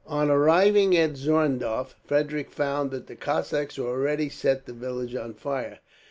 On arriving at Zorndorf, Frederick found that the Cossacks had already set the village on fire.